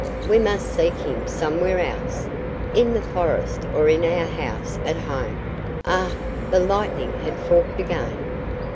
We must seek him somewhere else; in the forest or in our house at home. Ah!" The lightning had forked again.